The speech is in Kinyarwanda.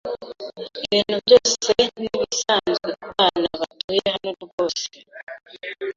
Ibintu byose nibisanzwe kubana batuye hano rwose.